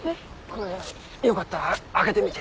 これ良かったら開けてみて。